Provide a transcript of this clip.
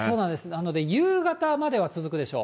なので夕方までは続くでしょう。